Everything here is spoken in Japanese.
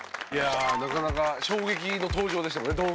いやあなかなか衝撃の登場でしたね。